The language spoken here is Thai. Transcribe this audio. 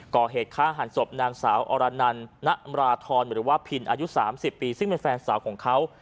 ก่อเหตุฆ่าหันศพนางสาวอรนันณราธรหรือว่าพินอายุ๓๐ปีซึ่งเป็นแฟนสาวของเขา